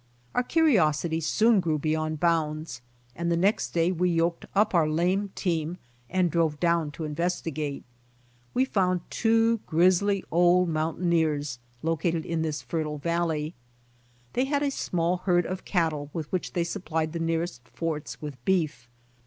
Our curiosity soon grew beyond bounds and the next day we yoked up our lame team and drove down to investigate. We found two grizzled, old mountaineers located in this fertile valley. They had a small herd of cattle with which they supplied the nearest forts with beef.